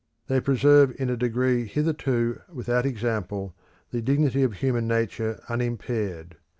They, preserve in a degree hitherto without example the dignity of human nature unimpaired.